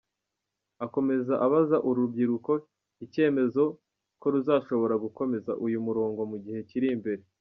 Akomeza abaza uru rubyiruko icyemeza ko ruzashobora gukomeza uyu murongo mu gihe kiri imbere.